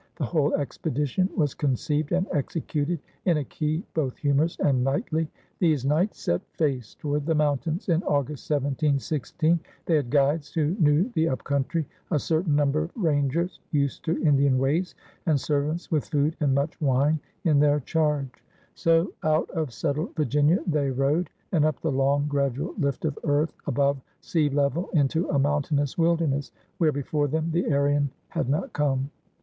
The whole expedition was conceived and executed in a key both humorous and knightly. These "Knights set face toward the mountains in August, 1716. They had guides who knew the up country» a certain number of rangers used to Indian ways, and servants with food and much wine in their charge. So out of settled Virginia they rode, and up the long, gradual lift of earth above sea level into a mountainous wilderness, where before them the Aryan had not come.